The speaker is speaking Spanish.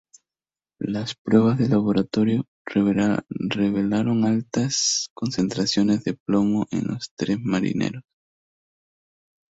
Las pruebas de laboratorio revelaron altas concentraciones de plomo en los tres marineros.